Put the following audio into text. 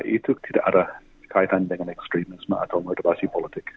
itu tidak ada kaitan dengan ekstremisme atau moderasi politik